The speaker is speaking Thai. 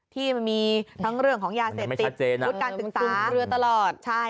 ที่มันมีทั้งเรื่องของยาเศรษฐิกฤทธิ์การศึกษา